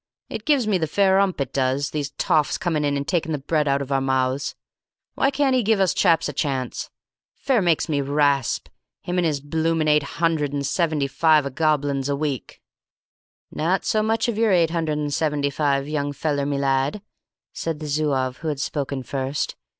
It gives me the fair 'ump, it does, these toffs coming in and taking the bread out of our mouths. Why can't he give us chaps a chance? Fair makes me rasp, him and his bloomin' eight hundred and seventy five o' goblins a week." "Not so much of your eight hundred and seventy five, young feller me lad," said the Zouave who had spoken first.